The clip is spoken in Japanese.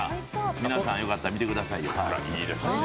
皆さん良かったら見てくださいよ。